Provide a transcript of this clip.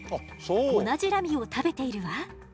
コナジラミを食べているわ。